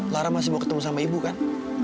lara masih mau ketemu sama ibu kan